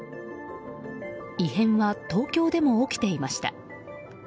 異変は東京でも起きていました。